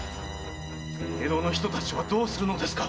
江戸の人たちはどうするのですか？